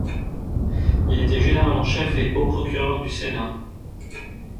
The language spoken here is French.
Il était général-en-chef et haut-procureur du sénat.